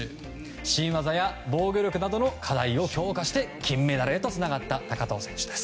新技や防御力などの課題を強化して金メダルへとつながった高藤選手です。